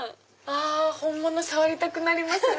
本物触りたくなりますね。